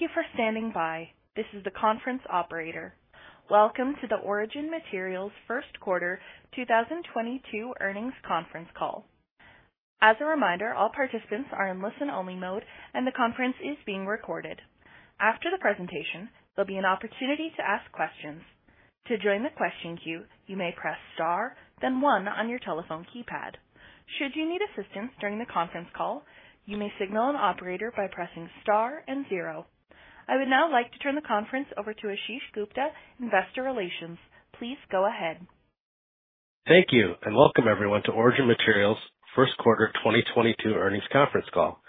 Thank you for standing by. This is the conference operator. Welcome to the Origin Materials First Quarter 2022 earnings conference call. As a reminder, all participants are in listen-only mode, and the conference is being recorded. After the presentation, there'll be an opportunity to ask questions. To join the question queue, you may press star then one on your telephone keypad. Should you need assistance during the conference call, you may signal an operator by pressing star and zero. I would now like to turn the conference over to Ashish Gupta, Investor Relations. Please go ahead. Thank you, and welcome everyone to Origin Materials First Quarter 2022 earnings conference call.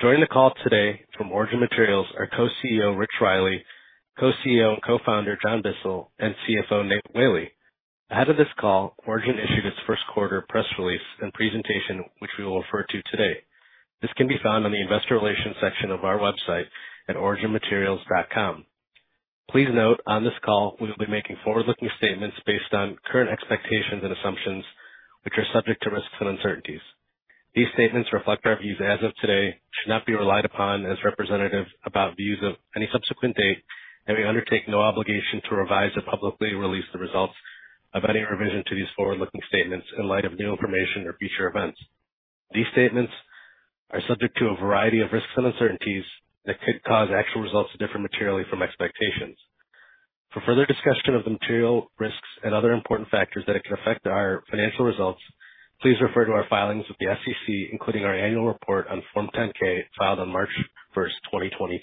Joining the call today from Origin Materials are Co-CEO Rich Riley, Co-CEO and Co-Founder John Bissell, and CFO Nate Whaley. Ahead of this call, Origin issued its first quarter press release and presentation, which we will refer to today. This can be found on the investor relations section of our website at originmaterials.com. Please note, on this call we will be making forward-looking statements based on current expectations and assumptions which are subject to risks and uncertainties. These statements reflect our views as of today, should not be relied upon as representative about views of any subsequent date, and we undertake no obligation to revise or publicly release the results of any revision to these forward-looking statements in light of new information or future events. These statements are subject to a variety of risks and uncertainties that could cause actual results to differ materially from expectations. For further discussion of the material risks and other important factors that can affect our financial results, please refer to our filings with the SEC, including our annual report on Form 10-K filed on March first, 2022.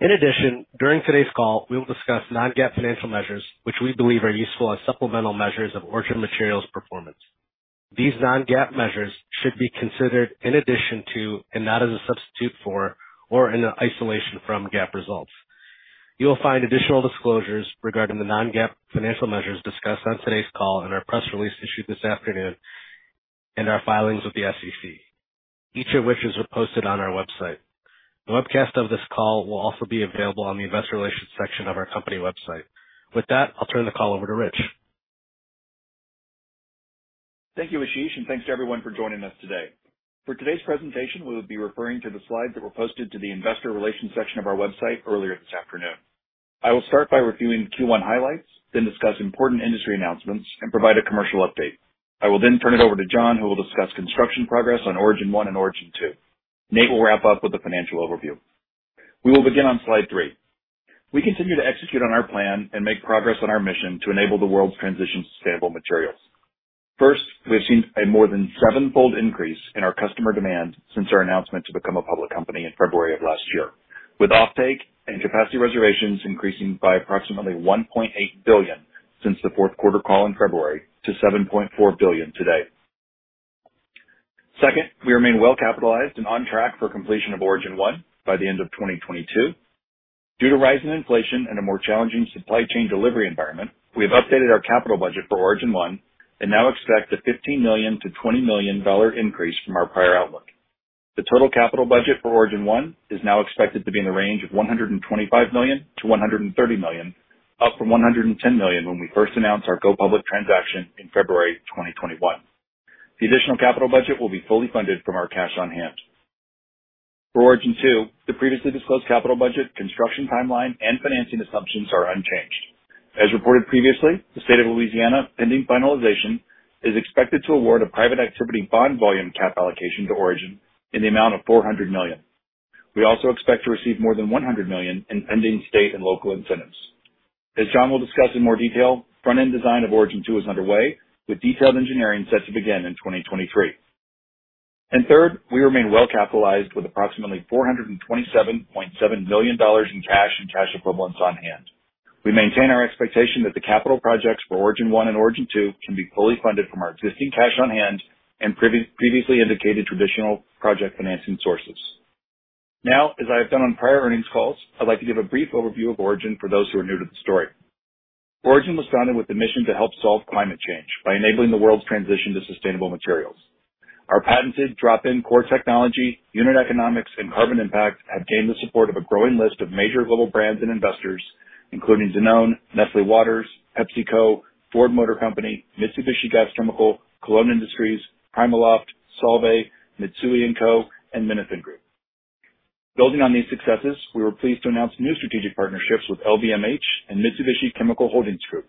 In addition, during today's call, we will discuss non-GAAP financial measures, which we believe are useful as supplemental measures of Origin Materials performance. These non-GAAP measures should be considered in addition to and not as a substitute for or in isolation from GAAP results. You will find additional disclosures regarding the non-GAAP financial measures discussed on today's call in our press release issued this afternoon and our filings with the SEC, each of which is posted on our website. The webcast of this call will also be available on the investor relations section of our company website. With that, I'll turn the call over to Rich. Thank you, Ashish, and thanks to everyone for joining us today. For today's presentation, we will be referring to the slides that were posted to the investor relations section of our website earlier this afternoon. I will start by reviewing Q1 highlights, then discuss important industry announcements and provide a commercial update. I will then turn it over to John, who will discuss construction progress on Origin 1 and Origin 2. Nate will wrap up with the financial overview. We will begin on slide three. We continue to execute on our plan and make progress on our mission to enable the world's transition to sustainable materials. First, we have seen a more than seven-fold increase in our customer demand since our announcement to become a public company in February of last year, with offtake and capacity reservations increasing by approximately $1.8 billion since the fourth quarter call in February to $7.4 billion today. Second, we remain well capitalized and on track for completion of Origin 1 by the end of 2022. Due to rising inflation and a more challenging supply chain delivery environment, we have updated our capital budget for Origin 1 and now expect a $15 million-$20 million dollar increase from our prior outlook. The total capital budget for Origin 1 is now expected to be in the range of $125 million-$130 million, up from $110 million when we first announced our go public transaction in February 2021. The additional capital budget will be fully funded from our cash on hand. For Origin 2, the previously disclosed capital budget, construction timeline, and financing assumptions are unchanged. As reported previously, the State of Louisiana, pending finalization, is expected to award a private activity bond volume cap allocation to Origin in the amount of $400 million. We also expect to receive more than $100 million in pending state and local incentives. As John will discuss in more detail, front-end design of Origin 2 is underway, with detailed engineering set to begin in 2023. Third, we remain well capitalized with approximately $427.7 million in cash and cash equivalents on hand. We maintain our expectation that the capital projects for Origin 1 and Origin 2 can be fully funded from our existing cash on hand and previously indicated traditional project financing sources. Now, as I have done on prior earnings calls, I'd like to give a brief overview of Origin for those who are new to the story. Origin was founded with the mission to help solve climate change by enabling the world's transition to sustainable materials. Our patented drop-in core technology, unit economics, and carbon impact have gained the support of a growing list of major global brands and investors, including Danone, Nestlé Waters, PepsiCo, Ford Motor Company, Mitsubishi Gas Chemical, Kolon Industries, PrimaLoft, Solvay, Mitsui & Co, and Minafin Group. Building on these successes, we were pleased to announce new strategic partnerships with LVMH and Mitsubishi Chemical Holdings Group.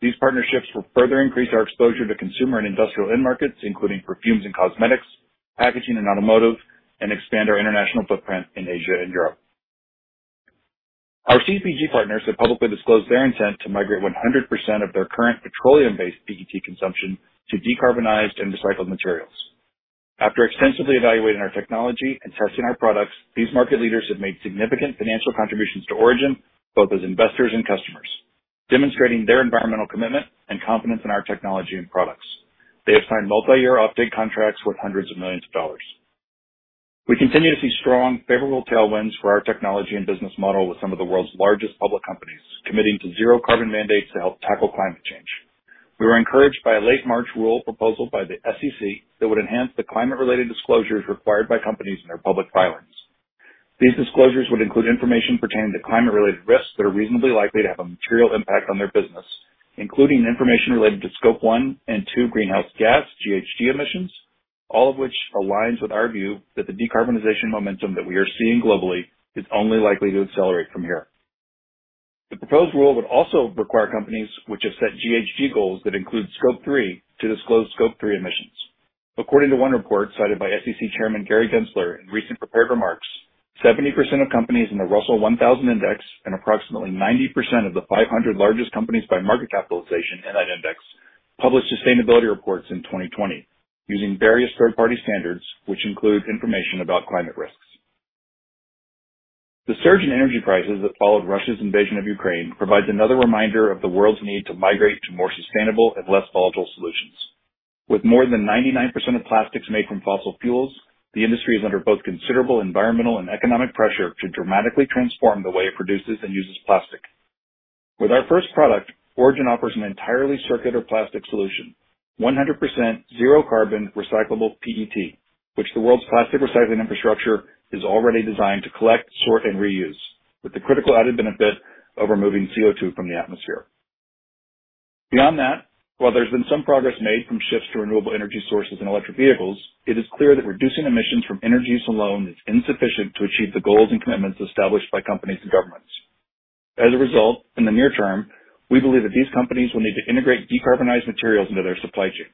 These partnerships will further increase our exposure to consumer and industrial end markets, including perfumes and cosmetics, packaging and automotive, and expand our international footprint in Asia and Europe. Our CPG partners have publicly disclosed their intent to migrate 100% of their current petroleum-based PET consumption to decarbonized and recycled materials. After extensively evaluating our technology and testing our products, these market leaders have made significant financial contributions to Origin, both as investors and customers, demonstrating their environmental commitment and confidence in our technology and products. They have signed multi-year offtake contracts worth $ hundreds of millions. We continue to see strong favorable tailwinds for our technology and business model with some of the world's largest public companies committing to zero carbon mandates to help tackle climate change. We were encouraged by a late March rule proposal by the SEC that would enhance the climate-related disclosures required by companies in their public filings. These disclosures would include information pertaining to climate-related risks that are reasonably likely to have a material impact on their business, including information related to Scope one and two greenhouse gas (GHG) emissions. All of which aligns with our view that the decarbonization momentum that we are seeing globally is only likely to accelerate from here. The proposed rule would also require companies which have set GHG goals that include Scope three to disclose Scope three emissions. According to one report cited by SEC Chairman Gary Gensler in recent prepared remarks, 70% of companies in the Russell 1000 Index and approximately 90% of the 500 largest companies by market capitalization in that index published sustainability reports in 2020 using various third-party standards which include information about climate risks. The surge in energy prices that followed Russia's invasion of Ukraine provides another reminder of the world's need to migrate to more sustainable and less volatile solutions. With more than 99% of plastics made from fossil fuels, the industry is under both considerable environmental and economic pressure to dramatically transform the way it produces and uses plastic. With our first product, Origin offers an entirely circular plastic solution, 100% zero carbon recyclable PET, which the world's plastic recycling infrastructure is already designed to collect, sort, and reuse, with the critical added benefit of removing CO2 from the atmosphere. Beyond that, while there's been some progress made from shifts to renewable energy sources and electric vehicles, it is clear that reducing emissions from energy use alone is insufficient to achieve the goals and commitments established by companies and governments. As a result, in the near term, we believe that these companies will need to integrate decarbonized materials into their supply chains.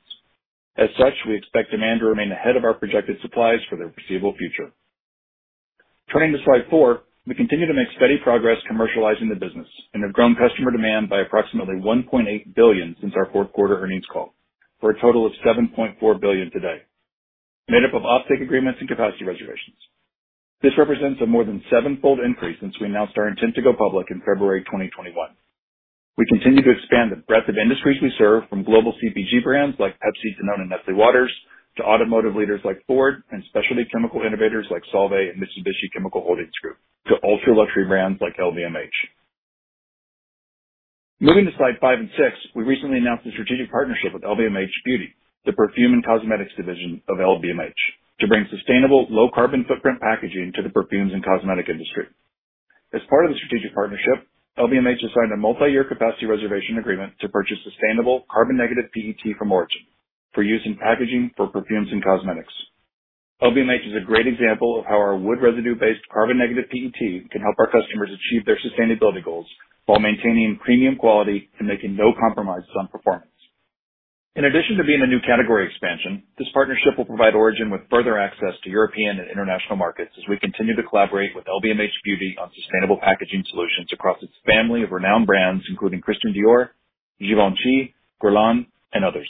As such, we expect demand to remain ahead of our projected supplies for the foreseeable future. Turning to slide four. We continue to make steady progress commercializing the business and have grown customer demand by approximately $1.8 billion since our fourth quarter earnings call, for a total of $7.4 billion today, made up of offtake agreements and capacity reservations. This represents a more than seven-fold increase since we announced our intent to go public in February 2021. We continue to expand the breadth of industries we serve from global CPG brands like Pepsi, Danone, and Nestlé Waters to automotive leaders like Ford and specialty chemical innovators like Solvay and Mitsubishi Chemical Holdings Group to ultra-luxury brands like LVMH. Moving to slides five and six. We recently announced a strategic partnership with LVMH Beauty, the perfume and cosmetics division of LVMH, to bring sustainable low carbon footprint packaging to the perfumes and cosmetics industry. As part of the strategic partnership, LVMH has signed a multi-year capacity reservation agreement to purchase sustainable carbon negative PET from Origin for use in packaging for perfumes and cosmetics. LVMH is a great example of how our wood residue based carbon negative PET can help our customers achieve their sustainability goals while maintaining premium quality and making no compromises on performance. In addition to being a new category expansion, this partnership will provide Origin with further access to European and international markets as we continue to collaborate with LVMH Beauty on sustainable packaging solutions across its family of renowned brands, including Christian Dior, Givenchy, Guerlain and others.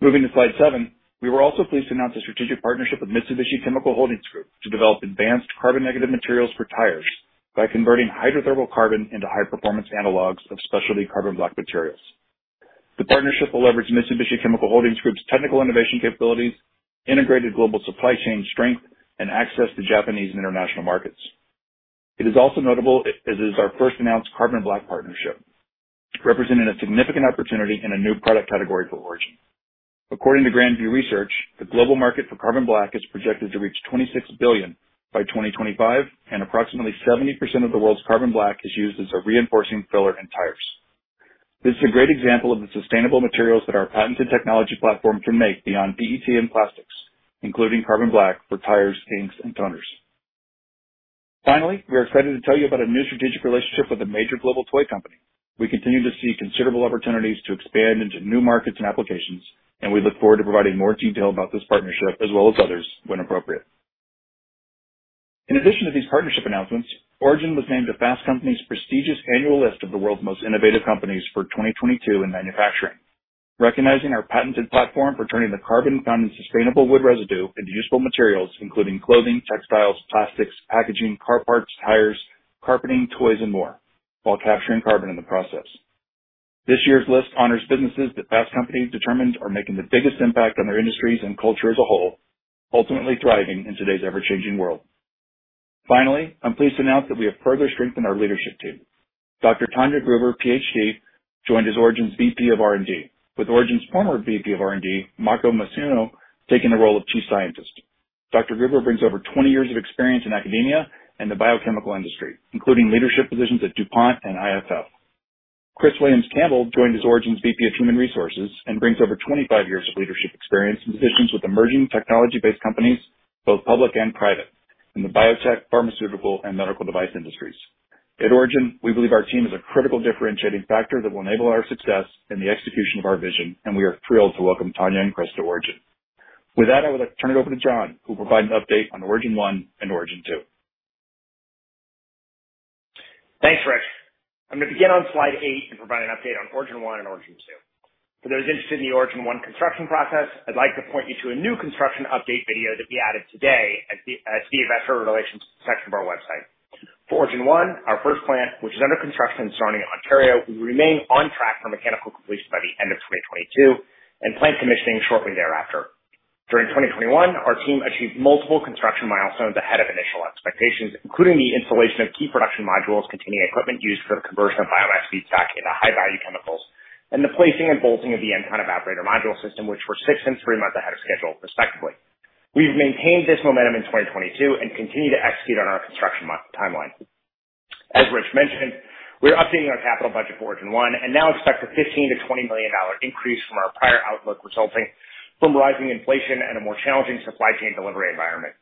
Moving to slide seven. We were also pleased to announce a strategic partnership with Mitsubishi Chemical Holdings Group to develop advanced carbon negative materials for tires by converting hydrothermal carbon into high performance analogs of specialty carbon black materials. The partnership will leverage Mitsubishi Chemical Holdings Group's technical innovation capabilities, integrated global supply chain strength and access to Japanese and international markets. It is also notable as it is our first announced carbon black partnership, representing a significant opportunity in a new product category for Origin. According to Grand View Research, the global market for carbon black is projected to reach $26 billion by 2025, and approximately 70% of the world's carbon black is used as a reinforcing filler in tires. This is a great example of the sustainable materials that our patented technology platform can make beyond PET and plastics, including carbon black for tires, inks and toners. Finally, we are excited to tell you about a new strategic relationship with a major global toy company. We continue to see considerable opportunities to expand into new markets and applications, and we look forward to providing more detail about this partnership as well as others when appropriate. In addition to these partnership announcements, Origin was named to Fast Company's prestigious annual list of the world's most innovative companies for 2022 in manufacturing, recognizing our patented platform for turning the carbon found in sustainable wood residue into useful materials including clothing, textiles, plastics, packaging, car parts, tires, carpeting, toys and more while capturing carbon in the process. This year's list honors businesses that Fast Company determines are making the biggest impact on their industries and culture as a whole, ultimately thriving in today's ever changing world. Finally, I'm pleased to announce that we have further strengthened our leadership team. Dr. Tanja Gruber, Ph.D., joined as Origin's VP of R&D, with Origin's former VP of R&D, Mako Matsuno, taking the role of Chief Scientist. Dr. Gruber brings over 20 years of experience in academia and the biochemical industry, including leadership positions at DuPont and IFF. Chris Williams-Campbell joined as Origin's VP of Human Resources and brings over 25 years of leadership experience in positions with emerging technology-based companies, both public and private, in the biotech, pharmaceutical and medical device industries. At Origin, we believe our team is a critical differentiating factor that will enable our success in the execution of our vision, and we are thrilled to welcome Tanja and Chris to Origin. With that, I would like to turn it over to John, who will provide an update on Origin 1 and Origin 2. Thanks, Rich. I'm going to begin on slide eight and provide an update on Origin 1 and Origin 2. For those interested in the Origin 1 construction process, I'd like to point you to a new construction update video that we added today at the investor relations section of our website. For Origin 1, our first plant, which is under construction in Sarnia, Ontario, we remain on track for mechanical completion by the end of 2022 and plant commissioning shortly thereafter. During 2021, our team achieved multiple construction milestones ahead of initial expectations, including the installation of key production modules containing equipment used for the conversion of biomass feedstock into high value chemicals, and the placing and bolting of the ENCON evaporator module system, which were 6 and 3 months ahead of schedule respectively. We've maintained this momentum in 2022 and continue to execute on our construction timeline. As Rich mentioned, we're updating our capital budget for Origin 1 and now expect a $15 million-$20 million increase from our prior outlook resulting from rising inflation and a more challenging supply chain delivery environment.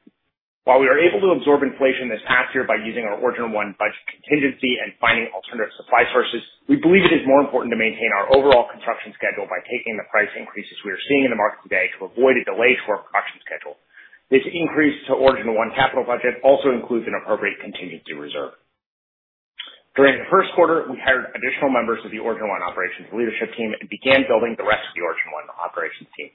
While we are able to absorb inflation this past year by using our Origin 1 budget contingency and finding alternative supply sources, we believe it is more important to maintain our overall construction schedule by taking the price increases we are seeing in the market today to avoid a delay to our production schedule. This increase to Origin 1 capital budget also includes an appropriate contingency reserve. During the first quarter, we hired additional members of the Origin 1 operations leadership team and began building the rest of the Origin 1 operations team.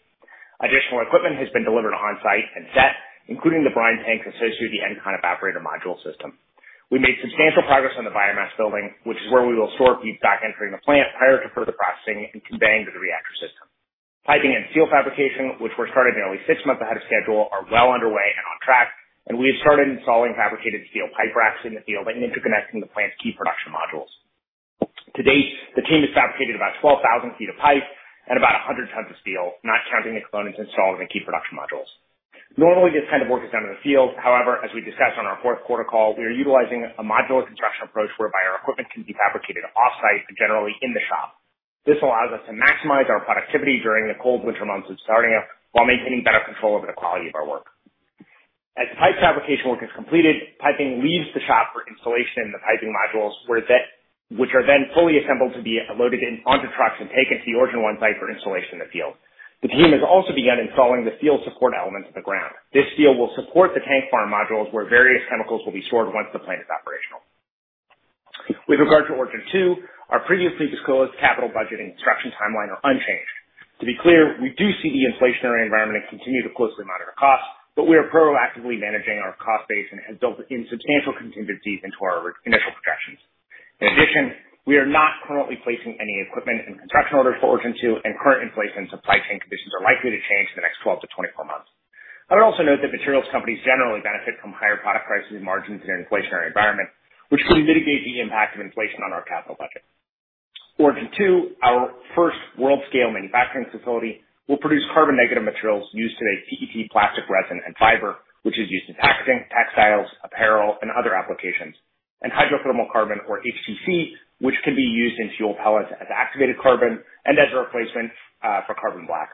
Additional equipment has been delivered on-site and set, including the brine tanks associated with the ENCON evaporator module system. We made substantial progress on the biomass building, which is where we will store feedstock entering the plant prior to further processing and conveying to the reactor system. Piping and steel fabrication, which were started nearly six months ahead of schedule, are well underway and on track, and we have started installing fabricated steel pipe racks in the field and interconnecting the plant's key production modules. To date, the team has fabricated about 12,000 feet of pipe and about 100 tons of steel, not counting the components installed in the key production modules. Normally, this kind of work is done in the field. However, as we discussed on our fourth quarter call, we are utilizing a modular construction approach whereby our equipment can be fabricated off-site, generally in the shop. This allows us to maximize our productivity during the cold winter months of starting up while maintaining better control over the quality of our work. As pipe fabrication work is completed, piping leaves the shop for installation in the piping modules, which are then fully assembled to be loaded onto trucks and taken to the Origin 1 site for installation in the field. The team has also begun installing the steel support elements in the ground. This steel will support the tank farm modules where various chemicals will be stored once the plant is operational. With regard to Origin 2, our previously disclosed capital budget and construction timeline are unchanged. To be clear, we do see the inflationary environment and continue to closely monitor costs, but we are proactively managing our cost base and have built in substantial contingencies into our initial projections. In addition, we are not currently placing any equipment and construction orders for Origin 2, and current inflation supply chain conditions are likely to change in the next 12-24 months. I would also note that materials companies generally benefit from higher product prices and margins in an inflationary environment, which could mitigate the impact of inflation on our capital budget. Origin 2, our first world-scale manufacturing facility, will produce carbon-negative materials used today, PET plastic resin and fiber, which is used in packing, textiles, apparel and other applications. Hydrothermal carbon or HTC, which can be used in fuel pellets as activated carbon and as a replacement for carbon black.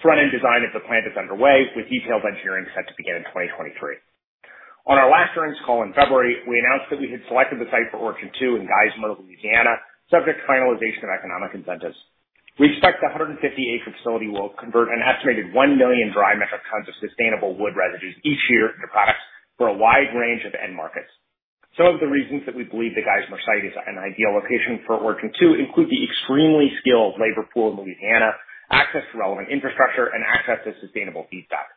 Front-end design of the plant is underway, with detailed engineering set to begin in 2023. On our last earnings call in February, we announced that we had selected the site for Origin 2 in Geismar, Louisiana, subject to finalization of economic incentives. We expect the 150-acre facility will convert an estimated one million dry metric tons of sustainable wood residues each year into products for a wide range of end markets. Some of the reasons that we believe the Geismar site is an ideal location for Origin 2 include the extremely skilled labor pool in Louisiana, access to relevant infrastructure and access to sustainable feedstock.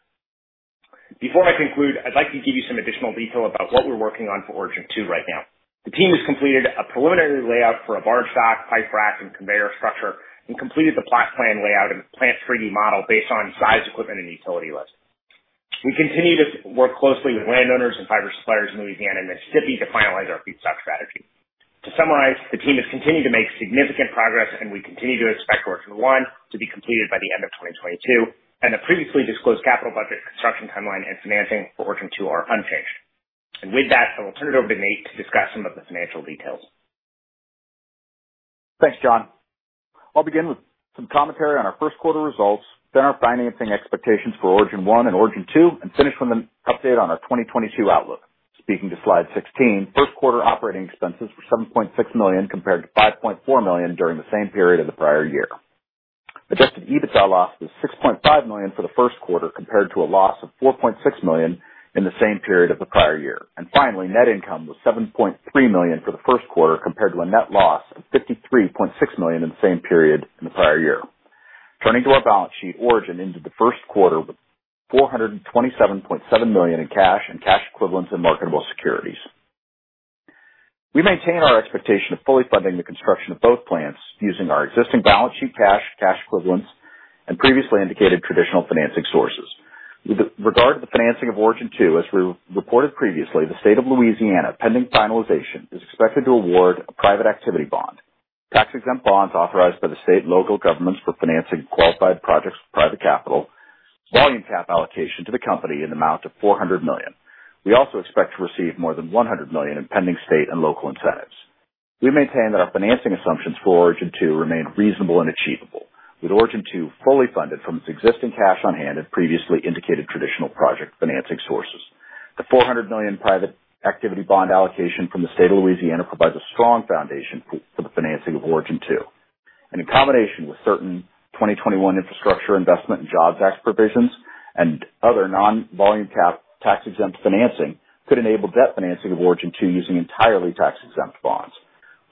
Before I conclude, I'd like to give you some additional detail about what we're working on for Origin 2 right now. The team has completed a preliminary layout for a barge dock, pipe rack and conveyor structure, and completed the plot plan layout and plant 3-D model based on size, equipment and utility list. We continue to work closely with landowners and fiber suppliers in Louisiana and Mississippi to finalize our feedstock strategy. To summarize, the team has continued to make significant progress, and we continue to expect Origin 1 to be completed by the end of 2022, and the previously disclosed capital budget construction timeline and financing for Origin 2 are unchanged. With that, I will turn it over to Nate to discuss some of the financial details. Thanks, John. I'll begin with some commentary on our first quarter results, then our financing expectations for Origin 1 and Origin 2, and finish with an update on our 2022 outlook. Speaking to slide 16, first quarter operating expenses were $7.6 million compared to $5.4 million during the same period of the prior year. Adjusted EBITDA loss was $6.5 million for the first quarter, compared to a loss of $4.6 million in the same period of the prior year. Finally, net income was $7.3 million for the first quarter, compared to a net loss of $53.6 million in the same period in the prior year. Turning to our balance sheet, Origin ended the first quarter with $427.7 million in cash and cash equivalents in marketable securities. We maintain our expectation of fully funding the construction of both plants using our existing balance sheet cash equivalents and previously indicated traditional financing sources. With regard to the financing of Origin 2, as we reported previously, the state of Louisiana, pending finalization, is expected to award a private activity bond. Tax-exempt bonds authorized by the state and local governments for financing qualified projects with private capital. Volume cap allocation to the company in the amount of $400 million. We also expect to receive more than $100 million in pending state and local incentives. We maintain that our financing assumptions for Origin 2 remain reasonable and achievable. With Origin 2 fully funded from its existing cash on hand and previously indicated traditional project financing sources. The $400 million private activity bond allocation from the state of Louisiana provides a strong foundation for the financing of Origin 2. In combination with certain 2021 Infrastructure Investment and Jobs Act provisions and other non-volume cap tax-exempt financing, could enable debt financing of Origin 2 using entirely tax-exempt bonds.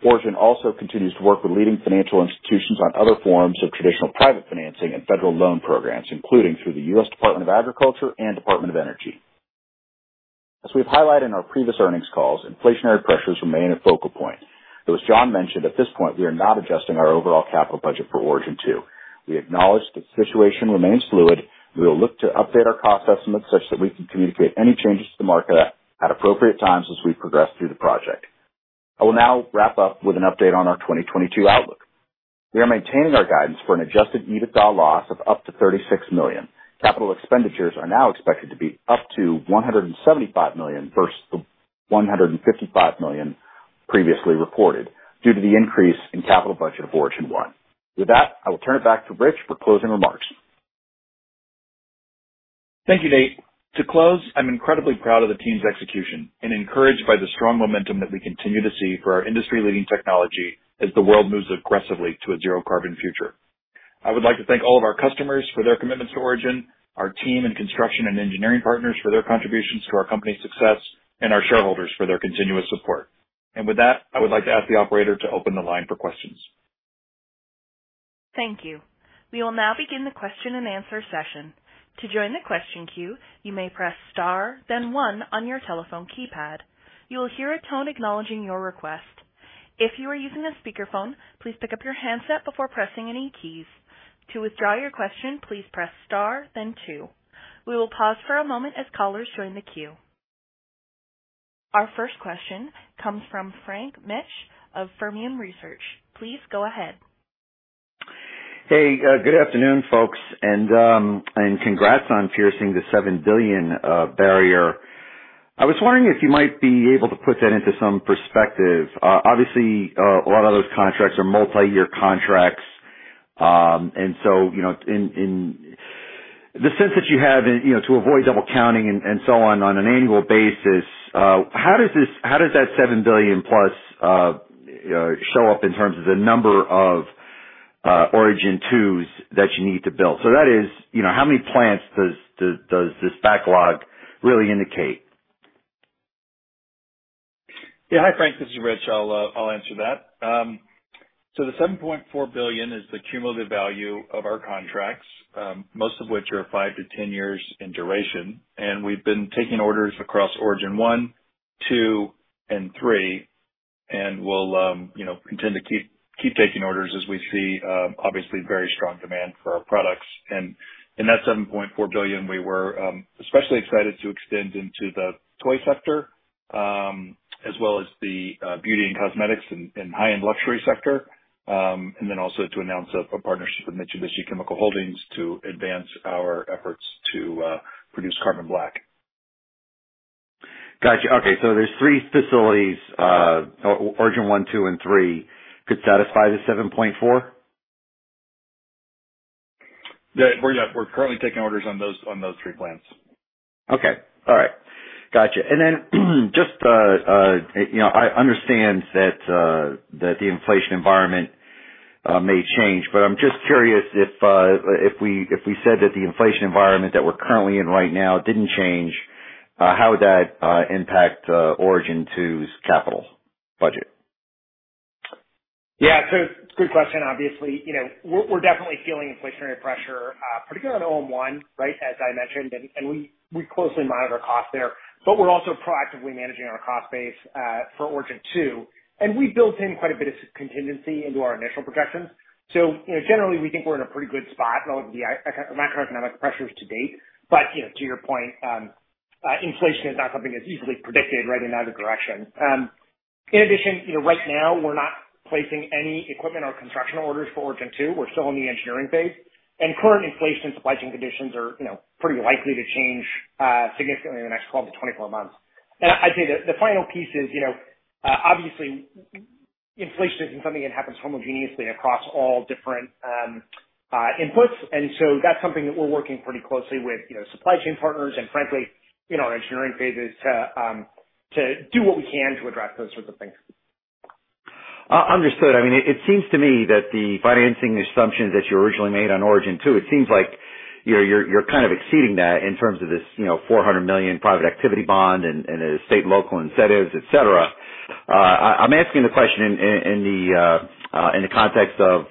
Origin also continues to work with leading financial institutions on other forms of traditional private financing and federal loan programs, including through the U.S. Department of Agriculture and Department of Energy. As we've highlighted in our previous earnings calls, inflationary pressures remain a focal point, though as John mentioned, at this point, we are not adjusting our overall capital budget for Origin 2. We acknowledge the situation remains fluid. We will look to update our cost estimates such that we can communicate any changes to the market at appropriate times as we progress through the project. I will now wrap up with an update on our 2022 outlook. We are maintaining our guidance for an adjusted EBITDA loss of up to $36 million. Capital expenditures are now expected to be up to $175 million versus the $155 million previously reported due to the increase in capital budget for Origin 1. With that, I will turn it back to Rich for closing remarks. Thank you, Nate. To close, I'm incredibly proud of the team's execution and encouraged by the strong momentum that we continue to see for our industry-leading technology as the world moves aggressively to a zero carbon future. I would like to thank all of our customers for their commitment to Origin, our team and construction and engineering partners for their contributions to our company's success, and our shareholders for their continuous support. With that, I would like to ask the operator to open the line for questions. Thank you. We will now begin the question-and-answer session. To join the question queue, you may press star then one on your telephone keypad. You will hear a tone acknowledging your request. If you are using a speakerphone, please pick up your handset before pressing any keys. To withdraw your question, please press star then two. We will pause for a moment as callers join the queue. Our first question comes from Frank Mitsch of Fermium Research. Please go ahead. Hey, good afternoon, folks. Congrats on piercing the $7 billion barrier. I was wondering if you might be able to put that into some perspective. Obviously, a lot of those contracts are multi-year contracts. You know, in the sense that you have, you know, to avoid double counting and so on an annual basis, how does that $7 billion plus show up in terms of the number of Origin 2 that you need to build? That is, you know, how many plants does this backlog really indicate? Yeah. Hi, Frank. This is Rich. I'll answer that. So the $7.4 billion is the cumulative value of our contracts, most of which are five to 10 years in duration. We've been taking orders across Origin 1, Two, and Three, and we'll, you know, continue to keep taking orders as we see, obviously very strong demand for our products. In that $7.4 billion, we were especially excited to extend into the toy sector, as well as the beauty and cosmetics and high-end luxury sector. Then also to announce a partnership with Mitsubishi Chemical Holdings to advance our efforts to produce carbon black. Gotcha. Okay. There's Three facilities, Origin 1, Two, and Three could satisfy the 7.4? We're currently taking orders on those three plants. Okay. All right. Gotcha. Then just to, you know, I understand that the inflation environment may change, but I'm just curious if we said that the inflation environment that we're currently in right now didn't change, how would that impact Origin's capital budget? Yeah. It's a good question. Obviously, you know, we're definitely feeling inflationary pressure, particularly on Origin 1, right, as I mentioned. And we closely monitor cost there. But we're also proactively managing our cost base, for Origin 2. We built in quite a bit of contingency into our initial projections. You know, generally, we think we're in a pretty good spot with all of the macroeconomic pressures to date. But you know, to your point, inflation is not something that's easily predicted, right, in either direction. In addition, you know, right now we're not placing any equipment or construction orders for Origin 2. We're still in the engineering phase. Current inflation supply chain conditions are, you know, pretty likely to change, significantly in the next 12-24 months. I'd say the final piece is, you know, obviously inflation isn't something that happens homogeneously across all different inputs. That's something that we're working pretty closely with, you know, supply chain partners and frankly, you know, in our engineering phases to do what we can to address those sorts of things. Understood. I mean, it seems to me that the financing assumptions that you originally made on Origin 2, it seems like you're kind of exceeding that in terms of this, you know, $400 million private activity bond and state and local incentives, et cetera. I'm asking the question in the context of,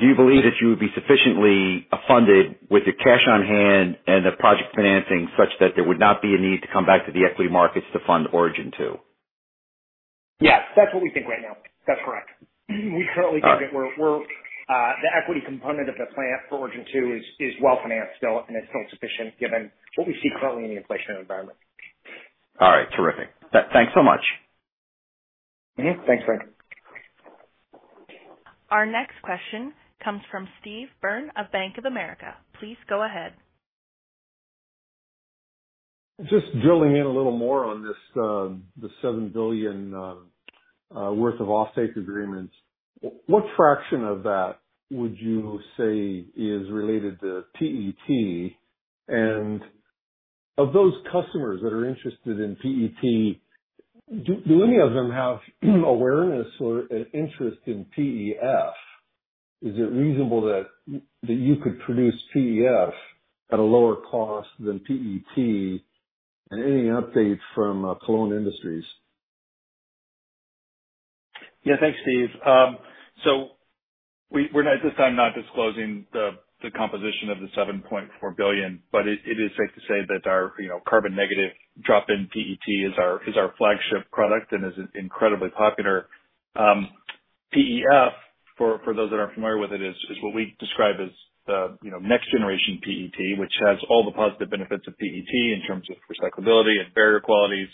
do you believe that you would be sufficiently funded with the cash on hand and the project financing such that there would not be a need to come back to the equity markets to fund Origin 2? Yeah, that's what we think right now. That's correct. All right. We currently think that the equity component of the plan for Origin 2 is well-financed still, and it's still sufficient given what we see currently in the inflation environment. All right. Terrific. Thanks so much. Thanks, Frank. Our next question comes from Steve Byrne of Bank of America. Please go ahead. Just drilling in a little more on this, the $7 billion worth of offtake agreements. What fraction of that would you say is related to PET? And of those customers that are interested in PET, do any of them have awareness or an interest in PEF? Is it reasonable that you could produce PEF at a lower cost than PET? And any update from Kolon Industries? Yeah. Thanks, Steve. We're not, at this time, disclosing the composition of the $7.4 billion, but it is safe to say that our, you know, carbon-negative drop-in PET is our flagship product and is incredibly popular. PEF, for those that aren't familiar with it, is what we describe as the, you know, next generation PET, which has all the positive benefits of PET in terms of recyclability and barrier qualities,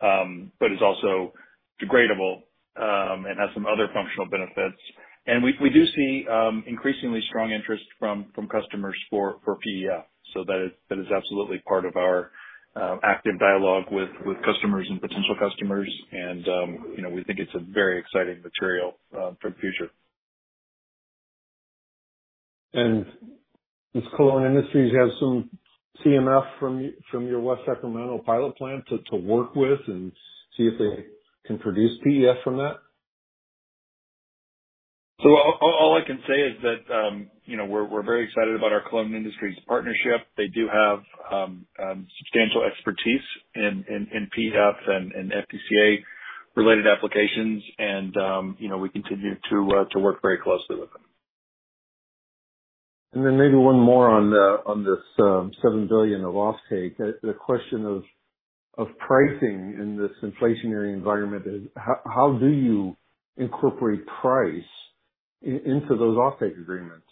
but is also degradable, and has some other functional benefits. We do see increasingly strong interest from customers for PEF. That is absolutely part of our active dialogue with customers and potential customers and, you know, we think it's a very exciting material for the future. Does Kolon Industries have some CMF from your West Sacramento pilot plant to work with and see if they can produce PEF from that? All I can say is that, you know, we're very excited about our Kolon Industries partnership. They do have substantial expertise in PEFs and FDCA-related applications. You know, we continue to work very closely with them. Maybe one more on this $7 billion of offtake. The question of pricing in this inflationary environment is how do you incorporate price into those offtake agreements?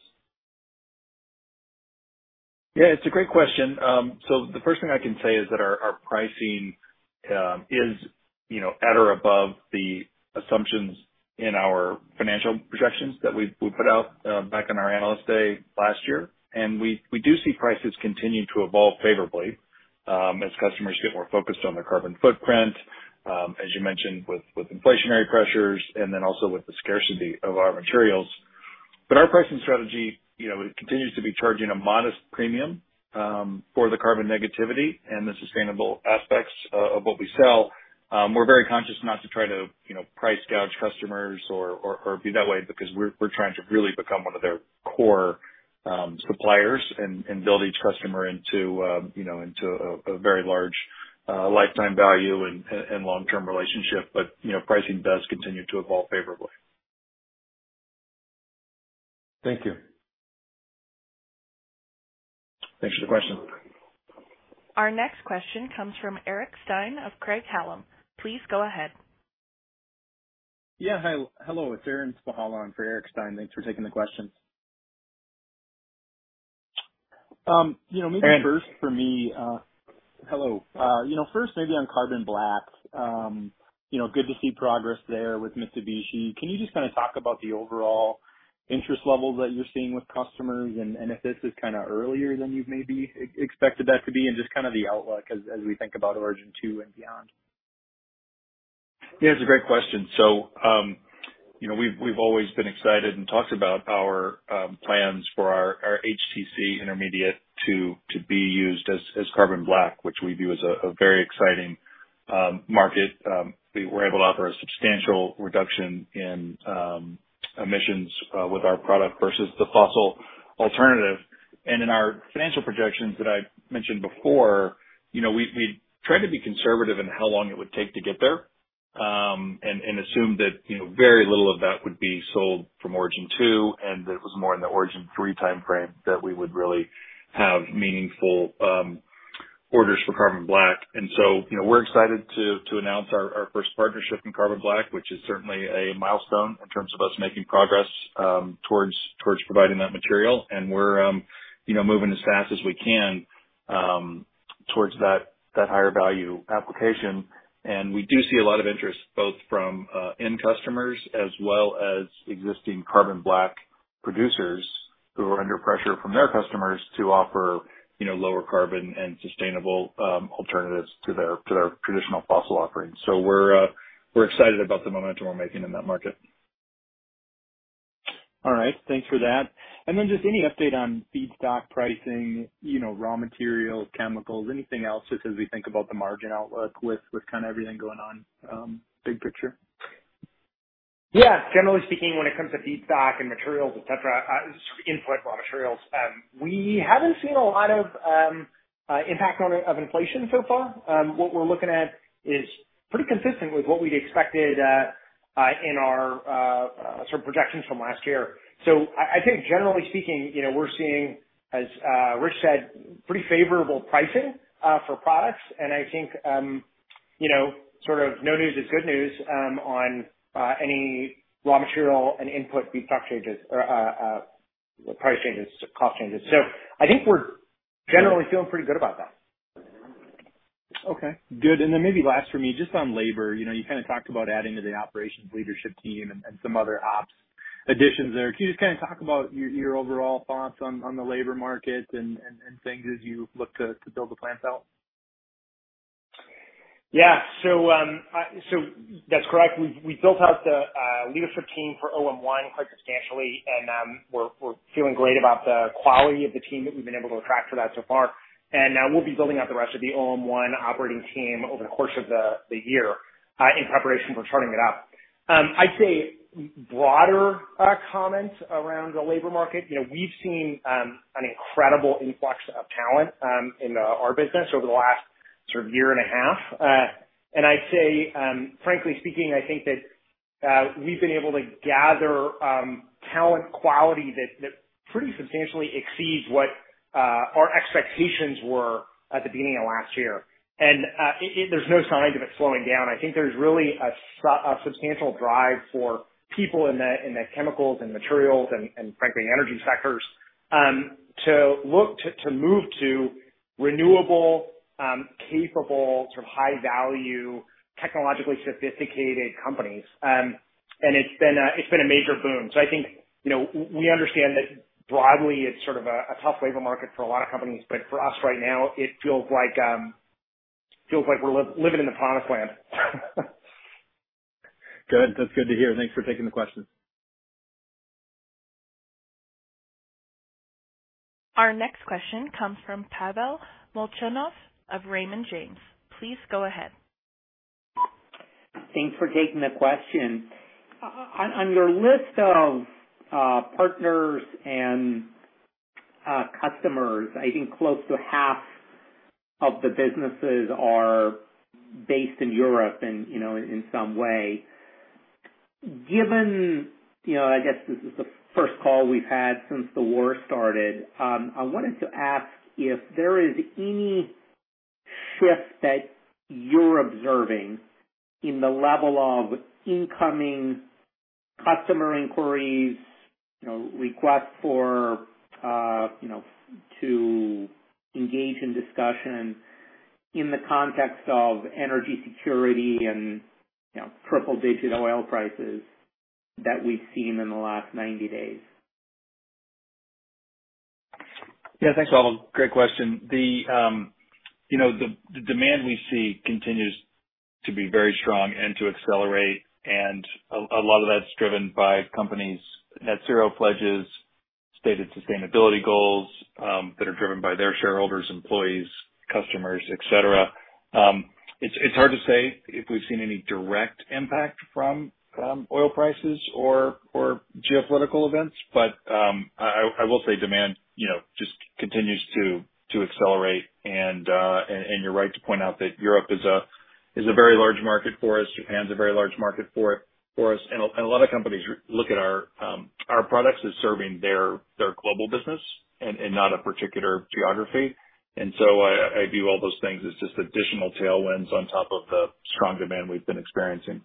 Yeah, it's a great question. So the first thing I can say is that our pricing, you know, is at or above the assumptions in our financial projections that we put out back in our Analyst Day last year. We do see prices continue to evolve favorably as customers get more focused on their carbon footprint, as you mentioned, with inflationary pressures and then also with the scarcity of our materials. Our pricing strategy, you know, it continues to be charging a modest premium for the carbon negativity and the sustainable aspects of what we sell. We're very conscious not to try to, you know, price gouge customers or be that way because we're trying to really become one of their core suppliers and build each customer into, you know, into a very large lifetime value and long-term relationship. You know, pricing does continue to evolve favorably. Thank you. Thanks for the question. Our next question comes from Eric Stine of Craig-Hallum Capital Group. Please go ahead. Yeah. Hi. Hello, it's Aaron Spychalla in for Eric Stine. Thanks for taking the questions. And- You know, maybe first for me, hello. You know, first maybe on carbon blacks, you know, good to see progress there with Mitsubishi. Can you just kinda talk about the overall interest levels that you're seeing with customers? And if this is kinda earlier than you've maybe expected that to be, and just kind of the outlook as we think about Origin 2 and beyond. Yeah, it's a great question. You know, we've always been excited and talked about our plans for our HTC intermediate to be used as carbon black, which we view as a very exciting market. We were able to offer a substantial reduction in emissions with our product versus the fossil alternative. In our financial projections that I mentioned before, you know, we tried to be conservative in how long it would take to get there, and assume that, you know, very little of that would be sold from Origin 2, and that it was more in the Origin 3 timeframe that we would really have meaningful orders for carbon black. You know, we're excited to announce our first partnership in carbon black, which is certainly a milestone in terms of us making progress towards providing that material. We're moving as fast as we can towards that higher value application. We do see a lot of interest both from end customers as well as existing carbon black producers who are under pressure from their customers to offer lower carbon and sustainable alternatives to their traditional fossil offerings. We're excited about the momentum we're making in that market. All right. Thanks for that. Just any update on feedstock pricing, you know, raw materials, chemicals, anything else, just as we think about the margin outlook with kinda everything going on, big picture? Yeah. Generally speaking, when it comes to feedstock and materials, et cetera, input raw materials, we haven't seen a lot of impact on it of inflation so far. What we're looking at is pretty consistent with what we'd expected in our sort of projections from last year. I think generally speaking, you know, we're seeing, as Rich said, pretty favorable pricing for products. I think, you know, sort of no news is good news on any raw material and input feedstock changes or price changes, cost changes. I think we're generally feeling pretty good about that. Okay, good. Maybe last for me, just on labor, you know, you kinda talked about adding to the operations leadership team and some other ops additions there. Can you just kinda talk about your overall thoughts on the labor market and things as you look to build the plants out? Yeah. That's correct. We've built out the leadership team for OM-one quite substantially, and we're feeling great about the quality of the team that we've been able to attract for that so far. We'll be building out the rest of the OM-one operating team over the course of the year in preparation for starting it up. I'd say broader comments around the labor market, you know, we've seen an incredible influx of talent in our business over the last sort of year and a half. I'd say, frankly speaking, I think that we've been able to gather talent quality that pretty substantially exceeds what our expectations were at the beginning of last year. There's no sign of it slowing down. I think there's really a substantial drive for people in the chemicals and materials and frankly energy sectors. To move to renewable, capable, sort of high value, technologically sophisticated companies. It's been a major boom. I think, you know, we understand that broadly it's sort of a tough labor market for a lot of companies. For us right now, it feels like we're living in the promised land. Good. That's good to hear. Thanks for taking the question. Our next question comes from Pavel Molchanov of Raymond James. Please go ahead. Thanks for taking the question. On your list of partners and customers, I think close to half of the businesses are based in Europe and, you know, in some way. Given, you know, I guess this is the first call we've had since the war started, I wanted to ask if there is any shift that you're observing in the level of incoming customer inquiries, you know, requests for, you know, to engage in discussion in the context of energy security and, you know, triple-digit oil prices that we've seen in the last 90 days. Yeah. Thanks, Pavel. Great question. You know, the demand we see continues to be very strong and to accelerate, and a lot of that's driven by companies' net zero pledges, stated sustainability goals that are driven by their shareholders, employees, customers, et cetera. It's hard to say if we've seen any direct impact from oil prices or geopolitical events, but I will say demand you know just continues to accelerate and you're right to point out that Europe is a very large market for us. Japan's a very large market for us. A lot of companies look at our products as serving their global business and not a particular geography. I view all those things as just additional tailwinds on top of the strong demand we've been experiencing.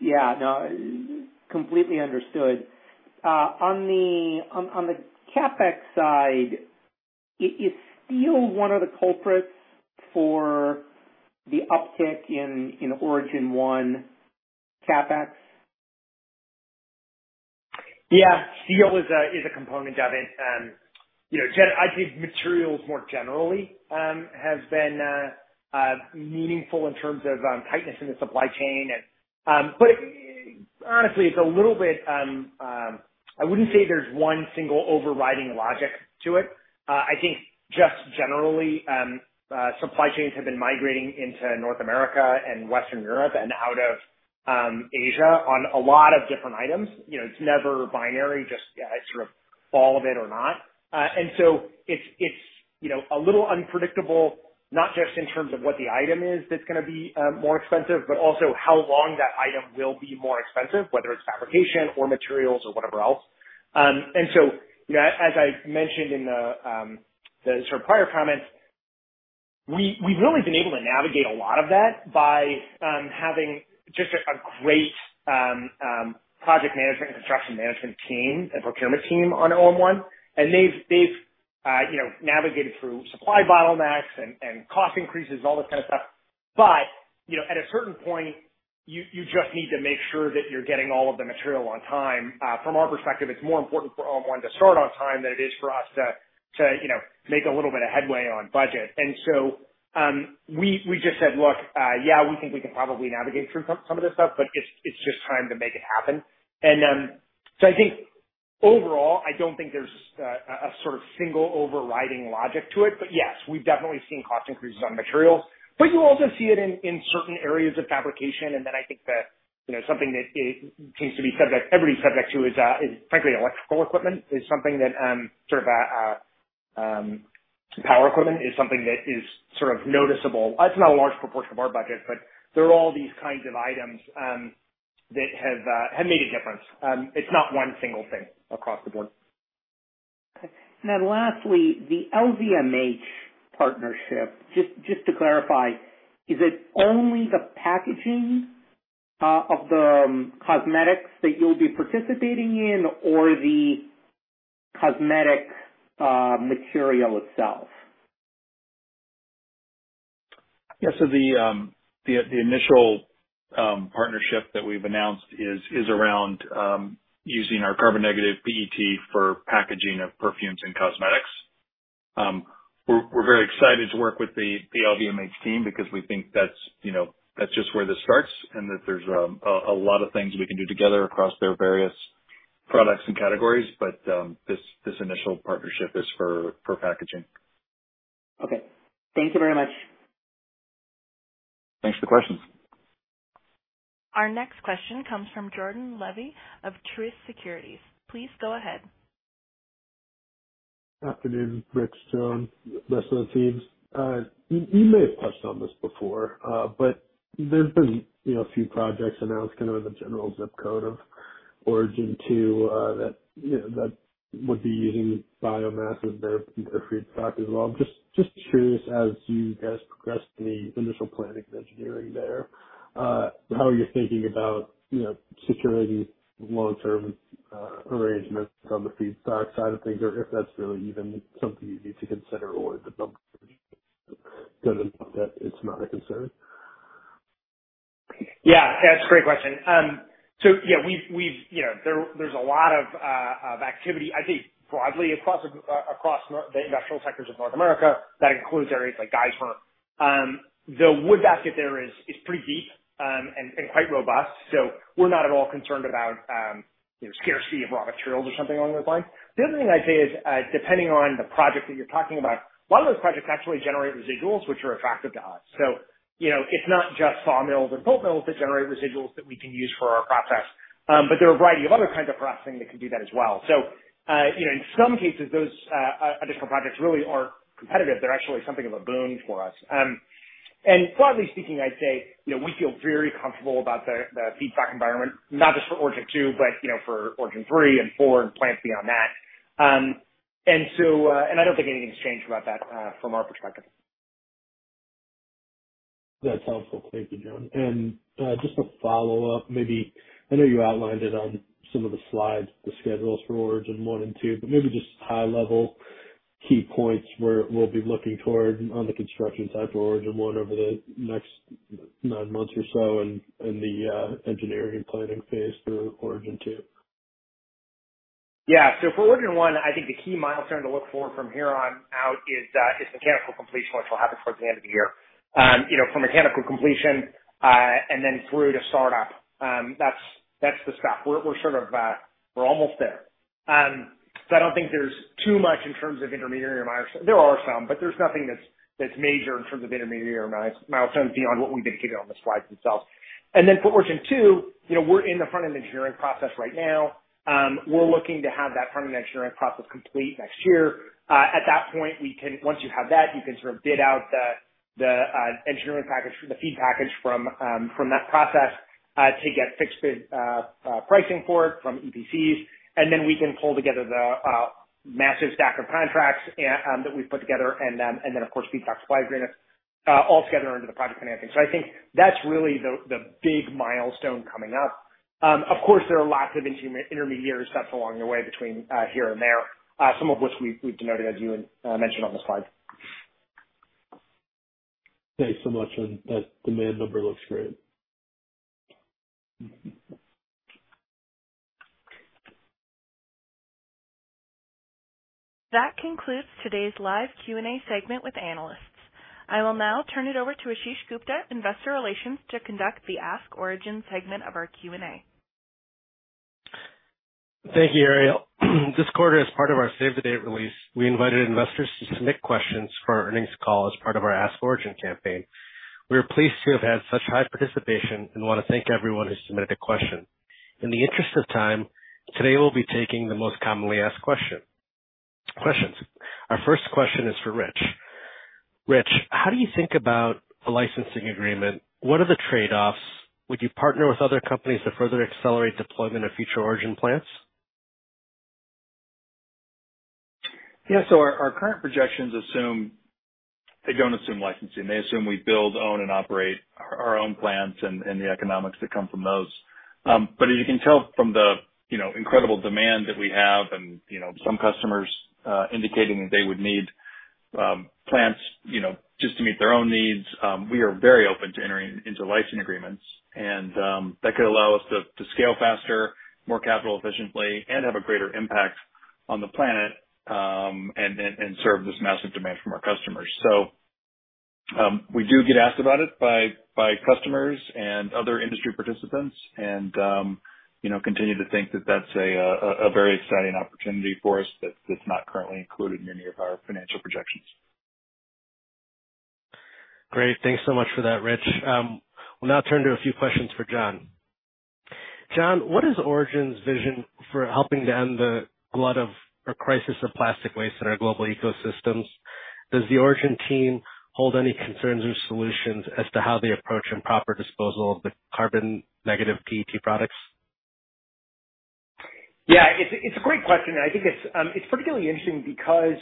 Yeah, no, completely understood. On the CapEx side, is steel one of the culprits for the uptick in Origin 1 CapEx? Yeah, steel is a component of it. You know, I think materials more generally has been meaningful in terms of tightness in the supply chain. But it, honestly, it's a little bit. I wouldn't say there's one single overriding logic to it. I think just generally supply chains have been migrating into North America and Western Europe and out of Asia on a lot of different items. You know, it's never binary, just sort of all of it or not. And so it's, you know, a little unpredictable, not just in terms of what the item is that's gonna be more expensive, but also how long that item will be more expensive, whether it's fabrication or materials or whatever else. You know, as I mentioned in the sort of prior comments, we've really been able to navigate a lot of that by having just a great project management, construction management team and procurement team on OM One. They've you know, navigated through supply bottlenecks and cost increases, all this kind of stuff. You know, at a certain point, you just need to make sure that you're getting all of the material on time. From our perspective, it's more important for OM One to start on time than it is for us to you know, make a little bit of headway on budget. We just said, "Look, yeah, we think we can probably navigate through some of this stuff, but it's just time to make it happen." I think overall I don't think there's a sort of single overriding logic to it. Yes, we've definitely seen cost increases on materials. You also see it in certain areas of fabrication. I think that, you know, something that it seems everybody's subject to is frankly electrical equipment, something that power equipment is sort of noticeable. It's not a large proportion of our budget, but there are all these kinds of items that have made a difference. It's not one single thing across the board. Okay. Lastly, the LVMH partnership, just to clarify, is it only the packaging of the cosmetics that you'll be participating in or the cosmetic material itself? Yeah. The initial partnership that we've announced is around using our carbon-negative PET for packaging of perfumes and cosmetics. We're very excited to work with the LVMH team because we think that's, you know, just where this starts and that there's a lot of things we can do together across their various products and categories. This initial partnership is for packaging. Okay. Thank you very much. Thanks for the questions. Our next question comes from Jordan Levy of Truist Securities. Please go ahead. Afternoon, Rich, John, rest of the teams. You may have touched on this before, but there's been, you know, a few projects announced kind of in the general zip code of Origin, too, that would be using biomass as their feedstock as well. Just curious, as you guys progressed in the initial planning and engineering there. How are you thinking about, you know, securing long-term arrangements from the feedstock side of things or if that's really even something you need to consider or if it's not a concern? Yeah. That's a great question. Yeah, you know, there's a lot of activity, I'd say broadly across the industrial sectors of North America. That includes areas like Geismar. The wood basket there is pretty deep and quite robust. We're not at all concerned about you know, scarcity of raw materials or something along those lines. The other thing I'd say is, depending on the project that you're talking about, a lot of those projects actually generate residuals which are attractive to us. You know, it's not just sawmills and pulp mills that generate residuals that we can use for our process. There are a variety of other kinds of processing that can do that as well. You know, in some cases those additional projects really aren't competitive. They're actually something of a boon for us. Broadly speaking, I'd say, you know, we feel very comfortable about the feedback environment, not just for Origin 2, but, you know, for Origin 3 and Four and plants beyond that. I don't think anything's changed about that from our perspective. That's helpful. Thank you, John. Just a follow-up, maybe, you know, you outlined it on some of the slides, the schedules for Origin 1 and Two, but maybe just high-level key points where we'll be looking toward on the construction side for Origin 1 over the next nine months or so and the engineering planning phase through Origin 2. Yeah. For Origin 1, I think the key milestone to look for from here on out is mechanical completion, which will happen towards the end of the year. You know, from mechanical completion and then through to start up, that's the stuff. We're sort of almost there. I don't think there's too much in terms of intermediary milestones. There are some, but there's nothing that's major in terms of intermediary milestones beyond what we've indicated on the slides themselves. For Origin 2, you know, we're in the front-end engineering process right now. We're looking to have that front-end engineering process complete next year. Once you have that, you can sort of bid out the engineering package, the FEED package from that process to get fixed bid pricing for it from EPCs. We can pull together the massive stack of contracts that we've put together and then of course, feedstock suppliers, all together into the project financing. I think that's really the big milestone coming up. Of course, there are lots of intermediary steps along the way between here and there, some of which we've denoted, as you mentioned on the slide. Thanks so much. That demand number looks great. That concludes today's live Q&A segment with analysts. I will now turn it over to Ashish Gupta, Investor Relations, to conduct the Ask Origin segment of our Q&A. Thank you, Ariel. This quarter, as part of our save the date release, we invited investors to submit questions for our earnings call as part of our Ask Origin campaign. We are pleased to have had such high participation and wanna thank everyone who submitted a question. In the interest of time, today we'll be taking the most commonly asked question, questions. Our first question is for Rich. Rich, how do you think about a licensing agreement? What are the trade-offs? Would you partner with other companies to further accelerate deployment of future Origin plants? Yeah. Our current projections assume they don't assume licensing. They assume we build, own, and operate our own plants and the economics that come from those. As you can tell from the, you know, incredible demand that we have and, you know, some customers indicating that they would need plants, you know, just to meet their own needs, we are very open to entering into licensing agreements and that could allow us to scale faster, more capital efficiently and have a greater impact on the planet and serve this massive demand from our customers. We do get asked about it by customers and other industry participants and, you know, continue to think that that's a very exciting opportunity for us that's not currently included in any of our financial projections. Great. Thanks so much for that, Rich. We'll now turn to a few questions for John. John, what is Origin's vision for helping to end the glut of or crisis of plastic waste in our global ecosystems? Does the Origin team hold any concerns or solutions as to how they approach and proper disposal of the carbon negative PET products? Yeah, it's a great question, and I think it's particularly interesting because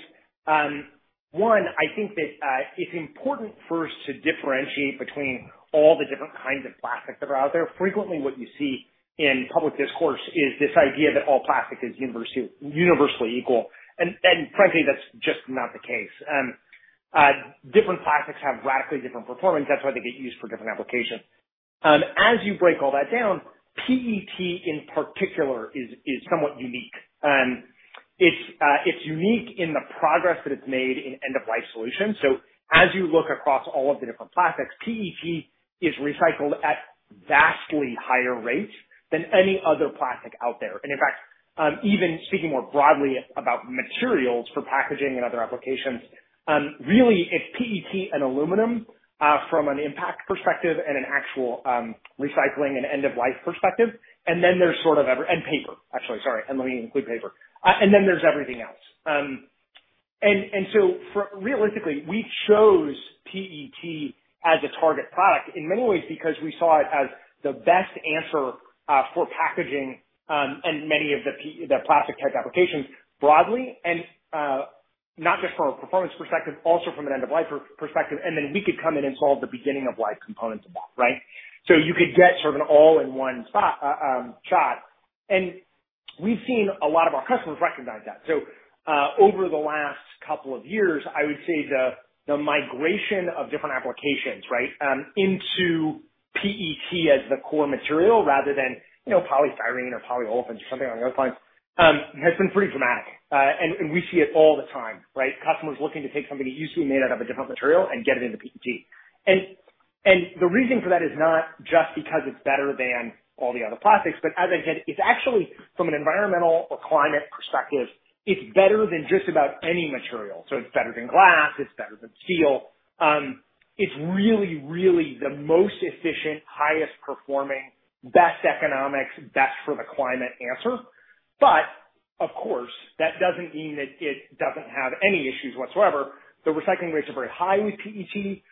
I think that it's important first to differentiate between all the different kinds of plastics that are out there. Frequently, what you see in public discourse is this idea that all plastic is universally equal. Frankly, that's just not the case. Different plastics have radically different performance. That's why they get used for different applications. As you break all that down, PET in particular is somewhat unique. It's unique in the progress that it's made in end-of-life solutions. As you look across all of the different plastics, PET is recycled at vastly higher rates than any other plastic out there. In fact, even speaking more broadly about materials for packaging and other applications, really it's PET and aluminum from an impact perspective and an actual recycling and end-of-life perspective. There's paper. Actually, sorry, I meant to include paper. There's everything else. Realistically, we chose PET as a target product in many ways because we saw it as the best answer for packaging and many of the plastic type applications broadly and not just from a performance perspective, also from an end-of-life perspective, and then we could come in and solve the beginning of life components involved, right? You could get sort of an all-in-one shot. We've seen a lot of our customers recognize that. Over the last couple of years, I would say the migration of different applications, right? Into PET as the core material rather than, you know, polystyrene or polyolefin or something along those lines, has been pretty dramatic. We see it all the time, right? Customers looking to take something that used to be made out of a different material and get it into PET. The reason for that is not just because it's better than all the other plastics, but as I said, it's actually from an environmental or climate perspective, it's better than just about any material. It's better than glass, it's better than steel. It's really the most efficient, highest performing, best economics, best for the climate answer. But of course, that doesn't mean that it doesn't have any issues whatsoever. The recycling rates are very high with PET,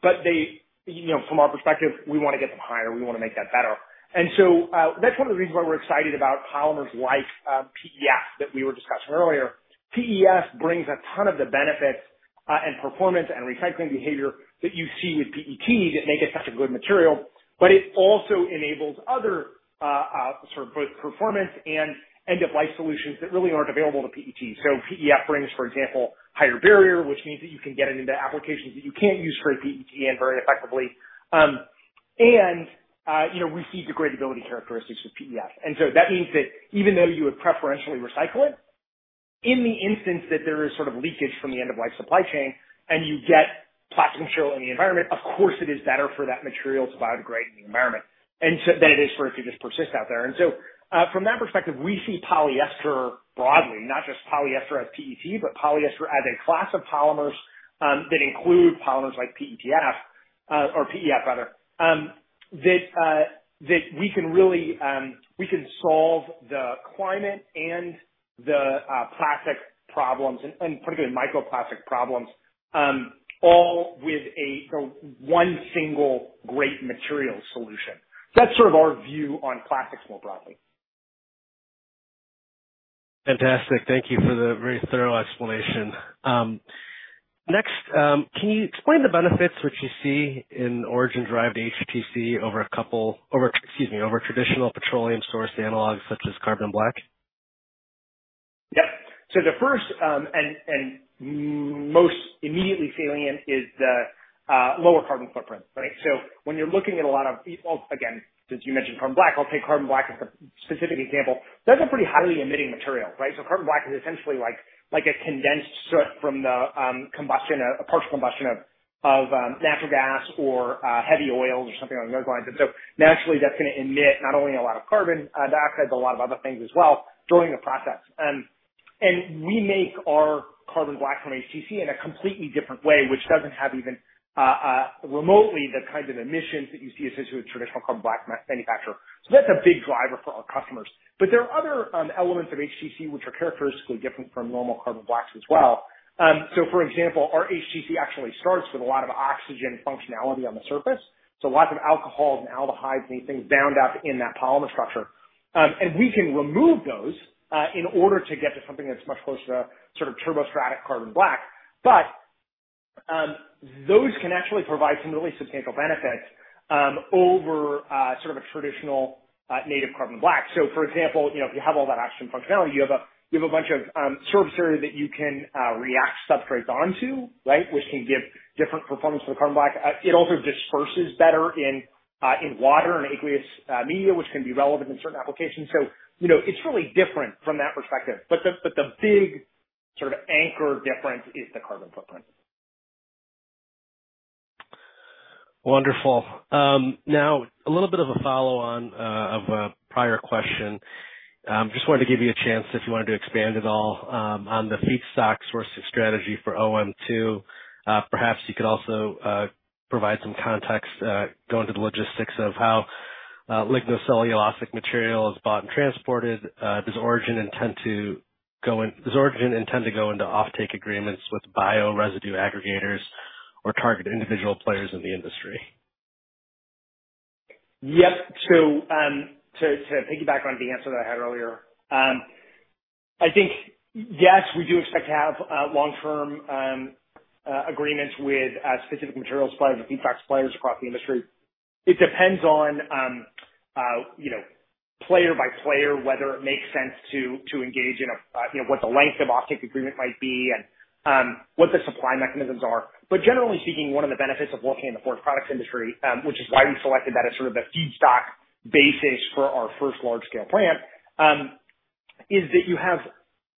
but they, you know, from our perspective, we wanna get them higher. We wanna make that better. That's one of the reasons why we're excited about polymers like PEF that we were discussing earlier. PEF brings a ton of the benefits and performance and recycling behavior that you see with PET that make it such a good material, but it also enables other sort of both performance and end of life solutions that really aren't available to PET. PEF brings, for example, higher barrier, which means that you can get it into applications that you can't use PET for and very effectively. You know, we see degradability characteristics with PEF. That means that even though you would preferentially recycle it, in the instance that there is sort of leakage from the end of life supply chain and you get plastic material in the environment, of course it is better for that material to biodegrade in the environment than it is for it to just persist out there. From that perspective, we see polyester broadly, not just polyester as PET, but polyester as a class of polymers, that include polymers like PEF, that we can really, we can solve the climate and the plastic problems and particularly microplastic problems, all with one single great material solution. That's sort of our view on plastics more broadly. Fantastic. Thank you for the very thorough explanation. Next, can you explain the benefits which you see in Origin-derived HTC over traditional petroleum source analogs such as carbon black? Yep. The first and most immediately salient is the lower carbon footprint, right? Well, again, since you mentioned carbon black, I'll take carbon black as the specific example. That's a pretty highly emitting material, right? Carbon black is essentially like a condensed soot from a partial combustion of natural gas or heavy oils or something along those lines. Naturally, that's gonna emit not only a lot of carbon dioxide, but a lot of other things as well during the process. We make our carbon black from HTC in a completely different way, which doesn't have even remotely the kind of emissions that you see associated with traditional carbon black manufacture. That's a big driver for our customers. There are other elements of HTC which are characteristically different from normal carbon blacks as well. For example, our HTC actually starts with a lot of oxygen functionality on the surface, so lots of alcohols and aldehydes and these things bound up in that polymer structure. We can remove those in order to get to something that's much closer to sort of turbostratic carbon black. Those can actually provide some really substantial benefits over sort of a traditional native carbon black. For example, you know, if you have all that oxygen functionality, you have a bunch of surface area that you can react substrates onto, right? Which can give different performance from the carbon black. It also disperses better in water and aqueous media, which can be relevant in certain applications. You know, it's really different from that perspective. But the big sort of anchor difference is the carbon footprint. Wonderful. Now a little bit of a follow on of a prior question. Just wanted to give you a chance if you wanted to expand at all on the feedstock sourcing strategy for Origin 2. Perhaps you could also provide some context, go into the logistics of how lignocellulosic material is bought and transported. Does Origin intend to go into offtake agreements with bio residue aggregators or target individual players in the industry? Yep. To piggyback on the answer that I had earlier, I think yes, we do expect to have long-term agreements with specific material suppliers and feedstock suppliers across the industry. It depends on you know, player by player, whether it makes sense to engage in a you know, what the length of offtake agreement might be and what the supply mechanisms are. But generally speaking, one of the benefits of working in the forest products industry, which is why we selected that as sort of the feedstock basis for our first large scale plant, is that you have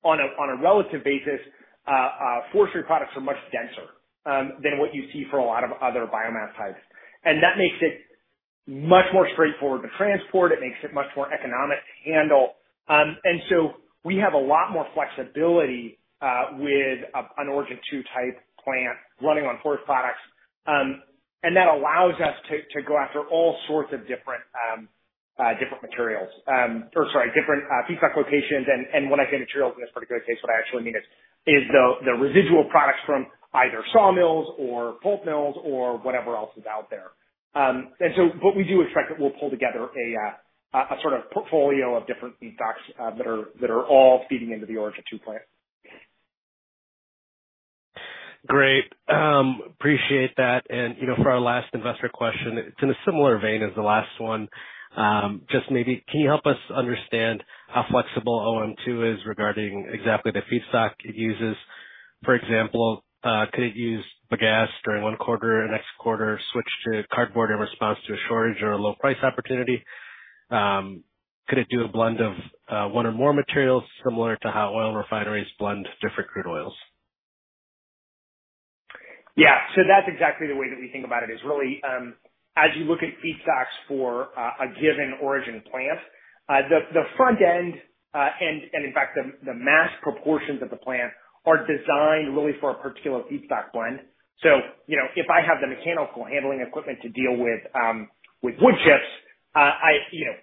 on a relative basis, forestry products are much denser than what you see for a lot of other biomass types. That makes it much more straightforward to transport. It makes it much more economic to handle. We have a lot more flexibility with an Origin 2 type plant running on forest products. That allows us to go after all sorts of different feedstock locations. When I say materials in this particular case, what I actually mean is the residual products from either sawmills or pulp mills or whatever else is out there. What we do expect that we'll pull together a sort of portfolio of different feedstocks that are all feeding into the Origin 2 plant. Great. Appreciate that. You know, for our last investor question, it's in a similar vein as the last one. Just maybe can you help us understand how flexible OM two is regarding exactly the feedstock it uses? For example, could it use bagasse during one quarter, next quarter switch to cardboard in response to a shortage or a low price opportunity? Could it do a blend of one or more materials, similar to how oil refineries blend different crude oils? Yeah. That's exactly the way that we think about it, is really, as you look at feedstocks for a given Origin plant, the front end, and in fact the mass proportions of the plant are designed really for a particular feedstock blend. You know, if I have the mechanical handling equipment to deal with wood chips, you know,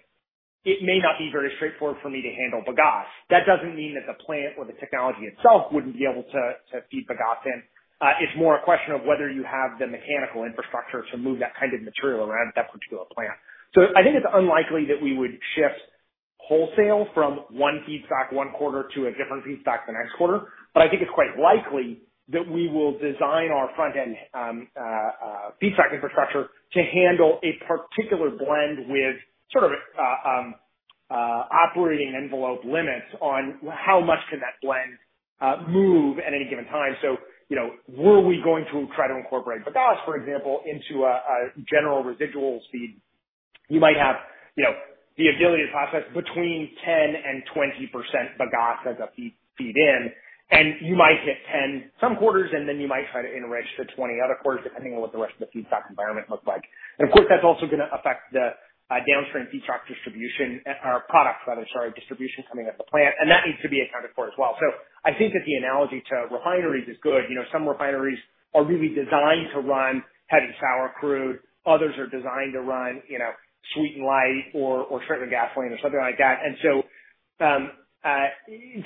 it may not be very straightforward for me to handle bagasse. That doesn't mean that the plant or the technology itself wouldn't be able to feed bagasse in. It's more a question of whether you have the mechanical infrastructure to move that kind of material around that particular plant. I think it's unlikely that we would shift wholesale from one feedstock one quarter to a different feedstock the next quarter. I think it's quite likely that we will design our front end feedstock infrastructure to handle a particular blend with sort of operating envelope limits on how much can that blend move at any given time. You know, were we going to try to incorporate bagasse, for example, into a general residuals feed, you might have, you know, the ability to process between 10%-20% bagasse as a feed in, and you might hit 10% some quarters, and then you might try to enrich to 20% other quarters, depending on what the rest of the feedstock environment looks like. Of course, that's also gonna affect the downstream feedstock distribution, or products rather, sorry, distribution coming at the plant, and that needs to be accounted for as well. I think that the analogy to refineries is good. You know, some refineries are really designed to run heavy sour crude. Others are designed to run, you know, sweet and light or straight-run gasoline or something like that. It's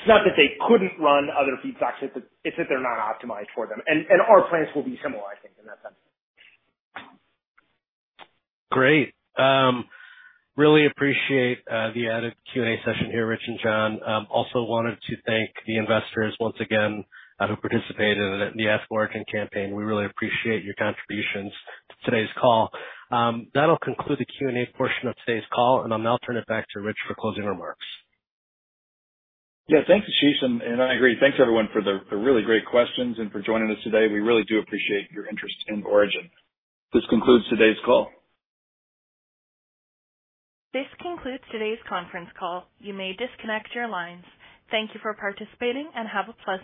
not that they couldn't run other feedstocks, it's that they're not optimized for them. And our plants will be similar, I think, in that sense. Great. Really appreciate the added Q&A session here, Rich and John. Also wanted to thank the investors once again who participated in the Ask Origin campaign. We really appreciate your contributions to today's call. That'll conclude the Q&A portion of today's call, and I'll now turn it back to Rich for closing remarks. Yeah. Thanks, Ashish. I agree. Thanks, everyone for the really great questions and for joining us today. We really do appreciate your interest in Origin. This concludes today's call. This concludes today's conference call. You may disconnect your lines. Thank you for participating and have a pleasant day.